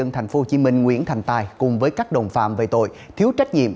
tp hcm nguyễn thành tài cùng với các đồng phạm về tội thiếu trách nhiệm